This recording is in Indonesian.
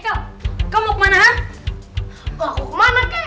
hai kamu kemana